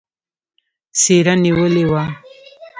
څېره نېولې وه.